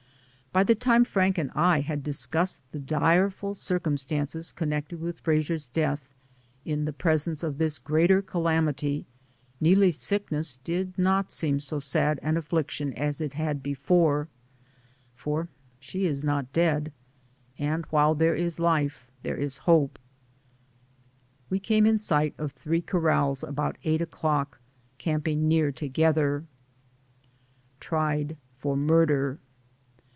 197 By the time Frank and I had discussed the direful circumstances connected with Fra sier's death, in the presence of this greater calamity Neelie's sickness did not seem so sad an affliction as it had before, for she is not dead, and while there is life there is hope. We came in sight of three corrals about eight o'clock, camping near together. TRIED FOR MURDER.